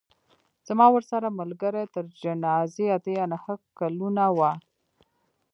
زما ورسره ملګرۍ تر جنازې اته یا نهه کلونه وه.